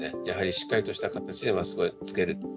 やはりしっかりとした形でマスクを着ける。